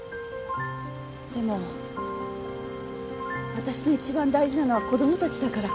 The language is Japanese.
でも私の一番大事なのは子供たちだから。